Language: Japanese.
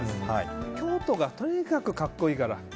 京都がとにかく格好いいから。